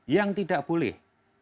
yang tidak boleh